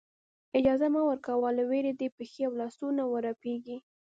اجازه مه ورکوه له وېرې دې پښې او لاسونه ورپېږي.